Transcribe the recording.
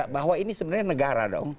bahwa ini sebenarnya negara dong